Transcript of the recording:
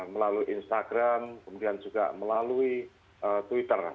melalui instagram kemudian juga melalui twitter